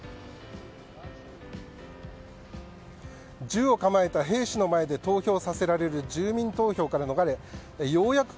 銃を構えた兵士の前で投票させられる住民投票から逃れようやく